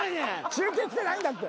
中継きてないんだって。